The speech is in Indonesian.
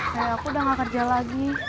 kayak aku udah gak kerja lagi